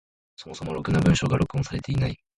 そもそもろくな文章が録音されていない。